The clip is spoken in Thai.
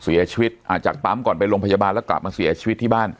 เสียชีวิตจากปั๊มก่อนไปโรงพยาบาลแล้วกลับมาเสียชีวิตที่บ้าน